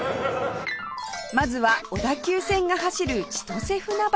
まずは小田急線が走る千歳船橋